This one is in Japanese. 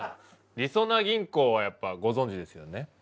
りそな銀行はやっぱご存じですよね？